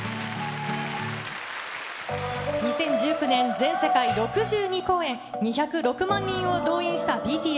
２０１９年、全世界６２公演、２０６万人を動員したＢＴＳ。